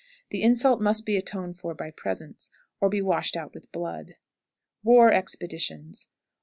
The insult must be atoned for by presents, or be washed out with blood. WAR EXPEDITIONS.